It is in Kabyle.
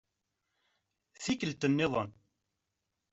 Tikkelt nniḍen.